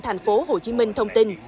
thành phố hồ chí minh thông tin